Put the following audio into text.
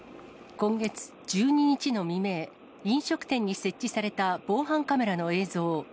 今月１２日の未明、飲食店に設置された防犯カメラの映像。